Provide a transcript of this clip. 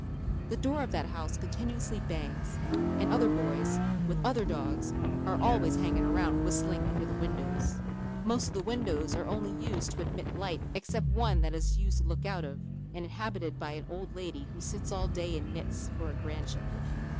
The door of that house continuously bangs, and other boys with other dogs are always hanging around whistling under the windows. Most of the windows are only used to admit light except one that is used to look out of and is inhabited by an old lady who sits all day and knits for her grandchildren.